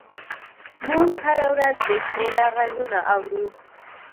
موږ هره ورځ بې شمېره غږونه اورو.